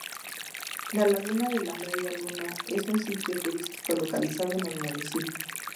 La Laguna de la Media Luna es un sitio turístico localizado en el municipio.